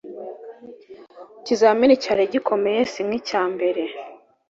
Ikizamini cyarigikomeye sinki cyambere